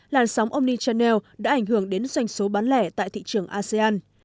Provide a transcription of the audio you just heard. làn sóng omnichannel đã ảnh hưởng đến doanh số bán lẻ tại thị trường asean